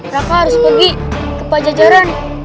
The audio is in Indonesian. bapak harus pergi ke pajajaran